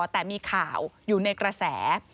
แต่มีข่าวอยู่ในกระแส